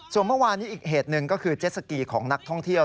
ส่วนเมื่อวานนี้อีกเหตุหนึ่งก็คือเจ็ดสกีของนักท่องเที่ยว